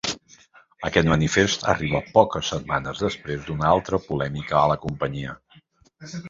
Aquest manifest arriba poques setmanes després d’una altra polèmica a la companyia.